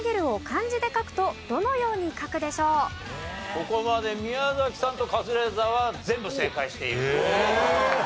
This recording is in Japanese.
ここまで宮崎さんとカズレーザーは全部正解している。